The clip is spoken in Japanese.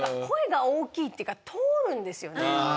声が大きいっていうか通るんですよね。